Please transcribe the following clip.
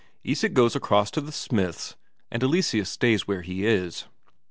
Isak goes across to the smith's, and Eleseus stays where he is.